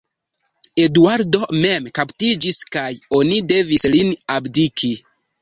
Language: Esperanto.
Eduardo mem kaptiĝis kaj oni devis lin abdiki.